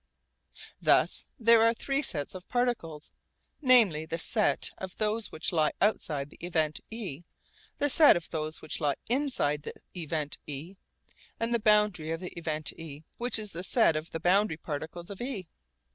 Thus there are three sets of particles, namely the set of those which lie outside the event e, the set of those which lie inside the event e, and the boundary of the event e which is the set of boundary particles of e.